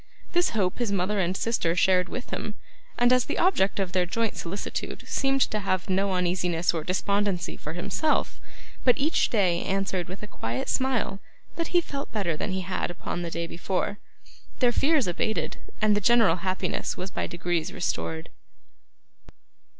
This hope his mother and sister shared with him; and as the object of their joint solicitude seemed to have no uneasiness or despondency for himself, but each day answered with a quiet smile that he felt better than he had upon the day before, their fears abated, and the general happiness was by degrees restored.